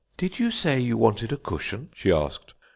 "'Did you say you wanted a cushion?' she asked.